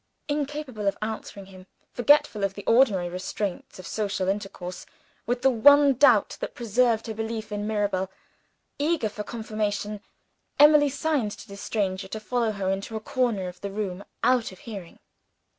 Incapable of answering him; forgetful of the ordinary restraints of social intercourse with the one doubt that preserved her belief in Mirabel, eager for confirmation Emily signed to this stranger to follow her into a corner of the room, out of hearing.